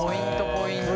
ポイントで。